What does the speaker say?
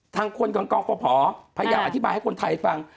ทางคนของกองฟภพยายามอธิบายให้คนไทยฟัง